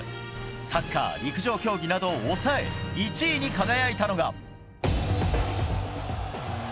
サッカー、陸上競技などを抑え１位に輝いたのが。